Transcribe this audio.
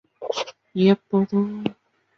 医学博士。